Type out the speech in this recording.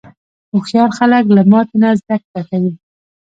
هوښیار خلک له ماتې نه زده کوي.